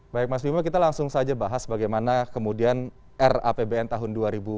baik mas bimo kita langsung saja bahas bagaimana kemudian rapbn tahun dua ribu dua puluh